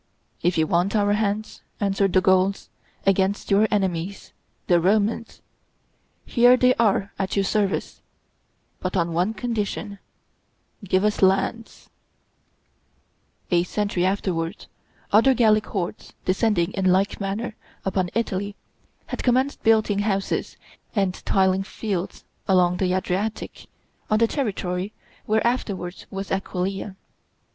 "If you want our hands," answered the Gauls, "against your enemies, the Romans, here they are at your service but on one condition: give us lands." [Illustration: A Tribe of Gauls on an Expedition 27] A century afterwards other Gallic hordes, descending in like manner upon Italy, had commenced building houses and tilling fields along the Adriatic, on the territory where afterwards was Aquileia.